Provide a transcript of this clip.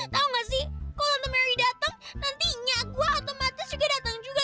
tau gak sih kalo tante mary dateng nanti nyak gue otomatis juga dateng juga